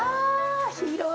広い！